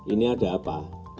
ini ada apa